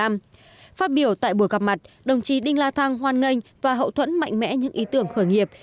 phát biểu tại buổi gặp mặt đồng chí đinh la thăng hoan nghênh và hậu thuẫn mạnh mẽ những ý tưởng khởi nghiệp